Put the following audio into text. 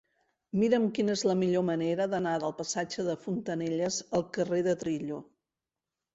Mira'm quina és la millor manera d'anar del passatge de Fontanelles al carrer de Trillo.